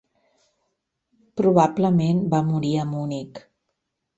Probablement va morir a Munic.